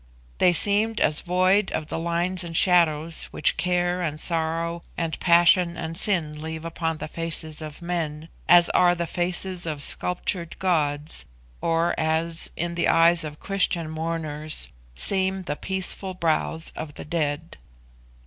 They seemed as void of the lines and shadows which care and sorrow, and passion and sin, leave upon the faces of men, as are the faces of sculptured gods, or as, in the eyes of Christian mourners, seem the peaceful brows of the dead.